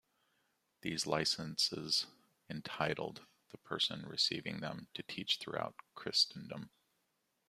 These licences entitled the person receiving them to teach throughout Christendom.